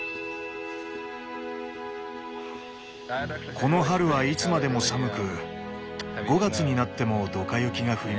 この春はいつまでも寒く５月になってもドカ雪が降りました。